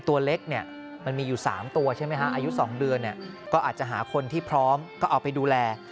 ตัวเล็กเนี่ยมันมีอยู่๓ตัวใช่ไหมฮะอายุ๒เดือนก็อาจจะหาคนที่พร้อมก็เอาไปดูแล